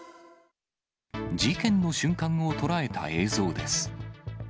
事件の瞬間を捉えた映像です。